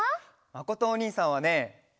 まことおにいさんはね